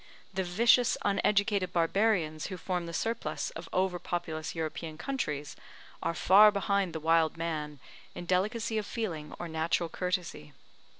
The vicious, uneducated barbarians who form the surplus of over populous European countries, are far behind the wild man in delicacy of feeling or natural courtesy.